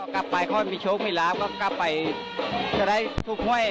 กลับไปก็มีโชคมีลาบก็กลับไปจะได้ทุกห้วย